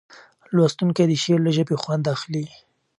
لوستونکی د شعر له ژبې خوند اخلي.